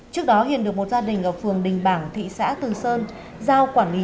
trước đó hiền được một gia đình ở phường đình bảng thị xã từ sơn giao quản lý